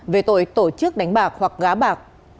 về tội tổ chức đánh bạc hoặc gá bạc